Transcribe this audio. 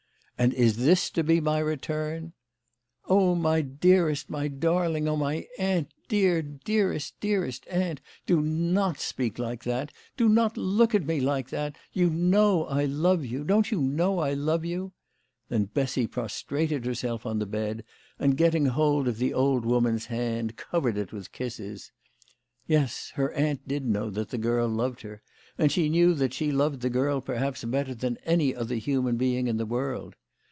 "And this is to be my return ?" "Oh, my dearest, my darling, oh, my aunt, dear, dearest, dearest aunt ! Do not speak like that ! Do not look at me like that ! You know I love you. Don't you know I love you ?" Then Bessy prostrated herself on the bed, and getting hold of the old woman's hand covered it with kisses. Yes, her aunt did know that the girl loved her, and she knew that she loved the girl perhaps better than any other human being in the world.